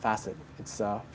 saya pikir itu adalah